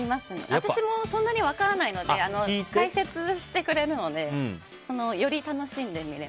私もそんなに分からないので解説してくれるのでより楽しんで見れます。